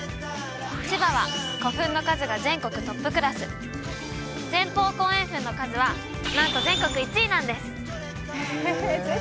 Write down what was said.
千葉は古墳の数が全国トップクラス前方後円墳の数はなんと全国１位なんです